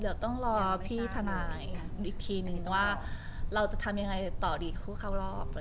เดี๋ยวต้องรอพี่ทนายอีกทีนึงว่าเราจะทำยังไงต่อดีกับผู้เข้ารอบ